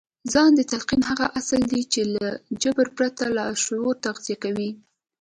ځان ته تلقين هغه اصل دی چې له جبر پرته لاشعور تغذيه کوي.